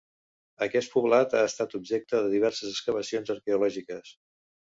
Aquest poblat ha estat objecte de diverses excavacions arqueològiques.